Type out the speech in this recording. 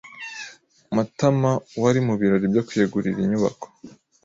Matamawari mu birori byo kwiyegurira inyubako.